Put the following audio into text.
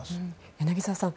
柳澤さん